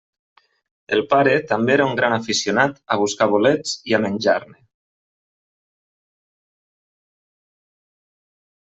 El pare també era un gran aficionat a buscar bolets i a menjar-ne.